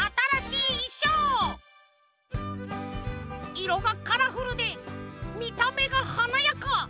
いろがカラフルでみためがはなやか！